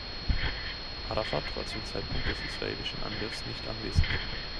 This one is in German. Arafat war zum Zeitpunkt des israelischen Angriffs nicht anwesend.